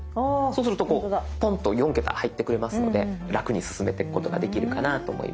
そうするとこうポンと４桁入ってくれますので楽に進めてくことができるかなと思います。